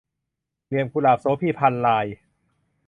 เหลี่ยมกุหลาบ - โสภี พรรณราย